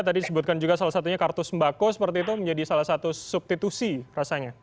tadi disebutkan juga salah satunya kartu sembako seperti itu menjadi salah satu substitusi rasanya